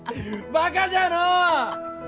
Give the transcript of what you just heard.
バカじゃのう！